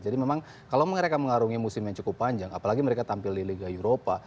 jadi memang kalau mereka mengarungi musim yang cukup panjang apalagi mereka tampil di liga eropa